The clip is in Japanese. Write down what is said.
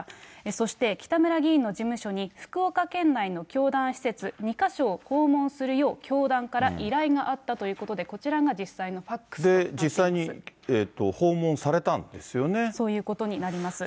そして北村議員の事務所に福岡県内の教団施設２か所を訪問するよう、教団から依頼があったということで、こちらが実際のファックスだということです。